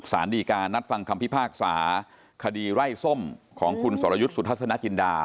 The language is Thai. สารดีการนัดฟังคำพิพากษาคดีไร่ส้มของคุณสรยุทธ์สุทัศนจินดา